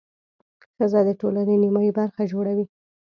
ښځه د ټولنې نیمایي برخه جوړوي.